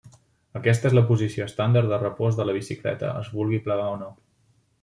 Aquesta és la posició estàndard de repòs de la bicicleta, es vulgui plegar o no.